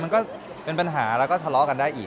มันก็ขยับแล้วถาล้อกันได้อีก